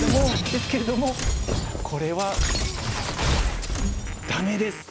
ですけれどもこれはダメです！